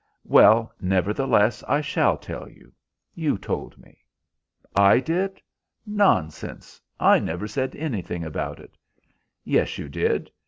"Well, nevertheless, I shall tell you. You told me." "I did? Nonsense, I never said anything about it." "Yes, you did.